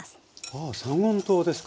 ああ三温糖ですか。